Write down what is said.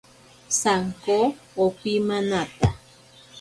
Sanko opimanata.